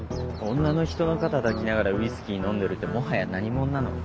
女の人の肩抱きながらウイスキー飲んでるってもはやナニモンなの？